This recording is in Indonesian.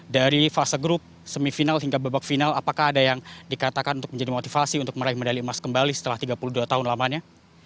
dari fase grup semifinal hingga babak final apakah ada yang dikatakan untuk menjadi motivasi untuk meraih medali emas kembali setelah tiga puluh dua tahun lamanya